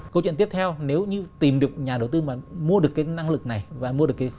câu chuyện tiếp theo nếu như tìm được nhà đầu tư mà mua được cái năng lực này và mua được cái